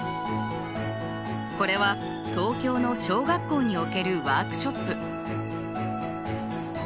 これは東京の小学校におけるワークショップ。